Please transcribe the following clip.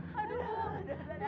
kamu dari mana